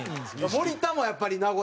森田もやっぱり名古屋は。